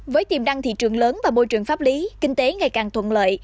với tiềm năng thị trường lớn và môi trường pháp lý kinh tế ngày càng thuận lợi